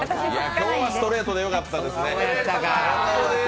今日はストレートでよかったですね。